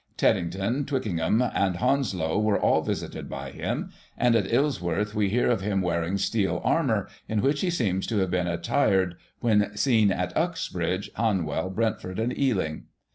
Teddington, Twicken ham and Hounslow were all visited by him, and at Isleworth we hear of him wearing steel armour, in which he seems to have been attired when seen at Uxbridge, Hanwell, Brentford and Ealing.